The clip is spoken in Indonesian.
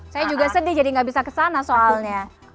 saya juga sedih jadi nggak bisa ke sana soalnya